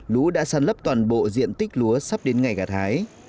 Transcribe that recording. lũ đã săn lấp toàn bộ diện tích lúa sắp đến ngày gạt hái